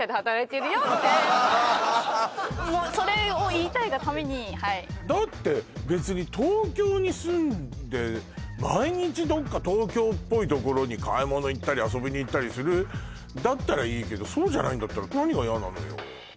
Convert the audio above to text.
それを言いたいがためにだって別に東京に住んで毎日どっか東京っぽいところに買い物行ったり遊びに行ったりするんだったらいいけどそうじゃないんだったら何が嫌なのよ